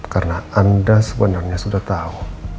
karena anda sebenarnya sudah tahu